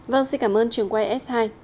vâng xin cảm ơn trường ys hai